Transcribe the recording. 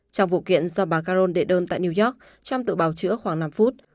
trong vụ kiện do bà caron đệ đơn tại new york trong tự bào chữa khoảng năm phút